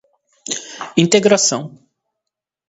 integração